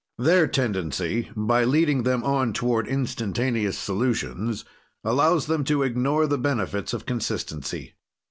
Their tendency, by leading them on toward instantaneous solutions, allows them to ignore the benefits of consistency.